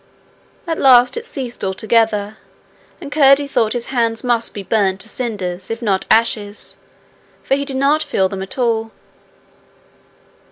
At last it ceased altogether, and Curdie thought his hands must be burned to cinders if not ashes, for he did not feel them at all.